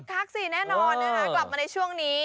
คึกคักสิแน่นอนเนี่ยนะกลับมาในช่วงนี้